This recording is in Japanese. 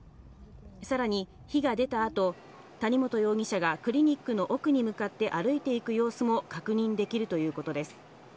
さらに火が出た後、谷本容疑者がクリニックの奥に向かって歩いていく様子も確認できるということです。